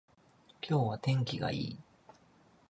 今日は天気がいい